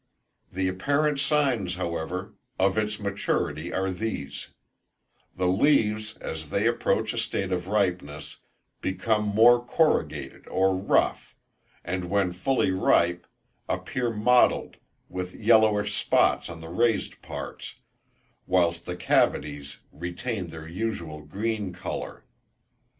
The apparent signs, however, of its maturity are these: The leaves, as they approach a state of ripeness, become more corrugated or rough; and when fully ripe, appear mottled with yellowish spots on the raised parts, whilst the cavities retain their usual green colour.